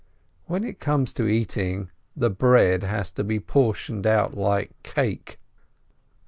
When it comes to eating, the bread has to be por tioned out like cake.